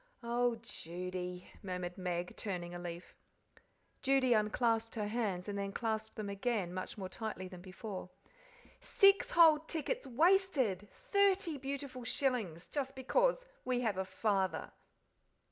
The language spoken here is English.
"Oh, Judy!" murmured Meg, turning a leaf. Judy unclasped her hands, and then clasped them again more tightly than before. "Six whole tickets wasted thirty beautiful shillings just because we have a father!"